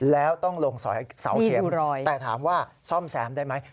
แล้วต้องลงเสาเข็มแต่ถามว่าซ่อมแซมได้ไหม